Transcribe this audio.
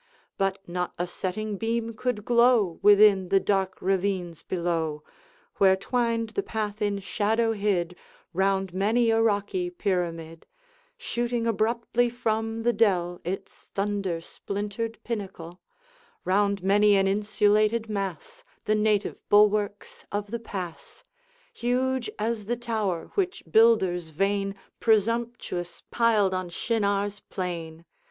But not a setting beam could glow Within the dark ravines below, Where twined the path in shadow hid, Round many a rocky pyramid, Shooting abruptly from the dell Its thunder splintered pinnacle; Round many an insulated mass, The native bulwarks of the pass, Huge as the tower which builders vain Presumptuous piled on Shinar's plain.